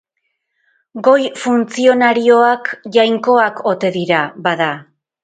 Goi funtzionarioak jainkoak ote dira, bada?